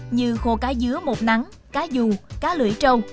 như khô cá dứa một nắng cá dù cá lưỡi trâu